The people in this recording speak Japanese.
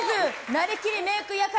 なりきりメイク館